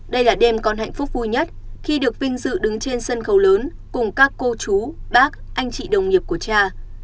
đây là đêm con hạnh phúc vui nhất khi được vinh dự đứng trên sân khấu lớn cùng các cô chú bác anh chị đồng nghiệp của cha